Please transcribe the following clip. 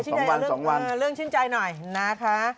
เรื่องชื่นใจหน่อยนะคะ